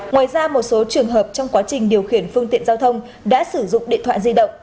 ngoài ra một số trường hợp trong quá trình điều khiển phương tiện giao thông đã sử dụng điện thoại di động